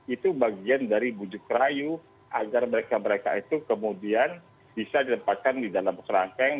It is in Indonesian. itu bagian dari bujuk rayu agar mereka mereka itu kemudian bisa dilemparkan di dalam kerangkeng